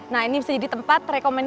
nah ini bisa jadi tempat rekomendasi